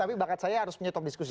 tapi bakat saya harus menyetop diskusi